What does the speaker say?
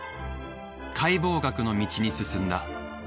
解剖学の道に進んだ。